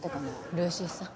ルーシーさん。